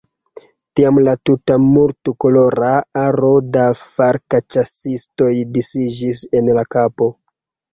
Tiam la tuta multkolora aro da falkĉasistoj disiĝis en la kampo.